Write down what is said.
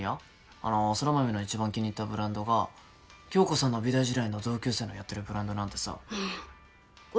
あの空豆の一番気に入ったブランドが響子さんの美大時代の同級生のやってるブランドなんてさうんおい